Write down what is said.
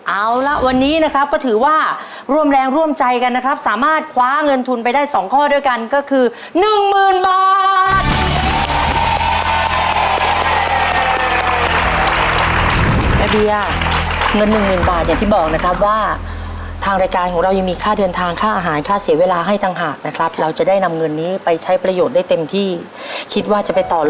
เอาละวันนี้นะครับก็ถือว่าร่วมแรงร่วมใจกันนะครับสามารถคว้าเงินทุนไปได้๒ข้อด้วยกันก็คือหนึ่งหมื่นบาท